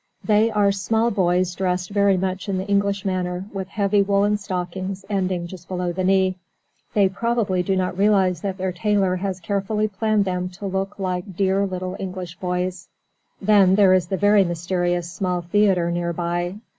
They are small boys dressed very much in the English manner, with heavy woollen stockings ending just below the knee. They probably do not realize that their tailor has carefully planned them to look like dear little English boys. Then there is a very mysterious small theatre near by.